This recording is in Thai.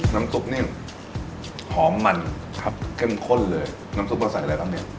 น้ำซุปนี่หอมมันครับเข้มข้นเลยน้ำซุปก็ใส่อะไรบ้างเนี้ย